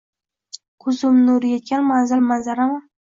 Koʼzim nuri yetgan manzil, manzarami?